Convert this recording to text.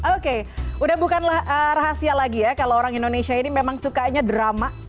oke udah bukanlah rahasia lagi ya kalau orang indonesia ini memang sukanya drama